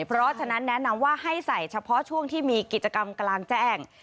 เพราะฉะนั้นแนะนำว่าให้ใส่เฉพาะช่วงที่มีกิจกรรมกลางแจ้ง